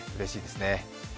うれしいですね。